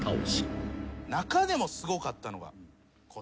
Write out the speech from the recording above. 中でもすごかったのがこちら。